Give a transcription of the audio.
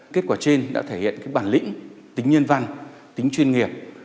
kết quả trên đã thể hiện bản lĩnh tính nhân văn tính chuyên nghiệp